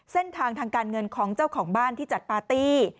เส้นทางทางการเงินของเจ้าของบ้านที่จัดปาร์ตี้